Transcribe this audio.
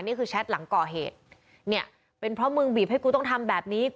นี่คือแชทหลังก่อเหตุเนี่ยเป็นเพราะมึงบีบให้กูต้องทำแบบนี้